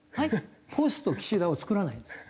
ポスト岸田を作らないんですよ。